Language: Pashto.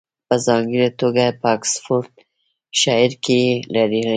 په ځانګړې توګه په اکسفورډشایر کې یې لرلې